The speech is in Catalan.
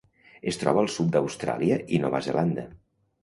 Es troba al sud d'Austràlia i Nova Zelanda.